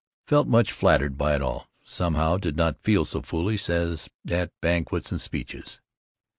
Felt much flattered by it all, somehow did not feel so foolish as at banquets with speeches.